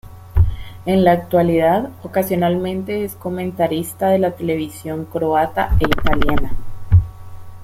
En la actualidad, ocasionalmente es comentarista de la televisión croata e italiana.